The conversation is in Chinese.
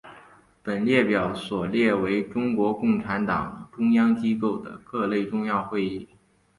本列表所列为中国共产党中央机构的各类重要会议。